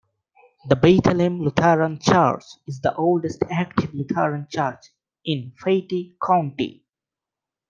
The Bethlehem Lutheran Church is the oldest active Lutheran church in Fayette County.